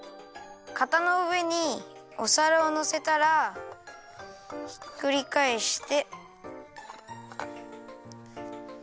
かたのうえにおさらをのせたらひっくりかえして。